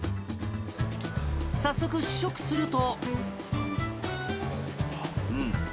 早速試食すると。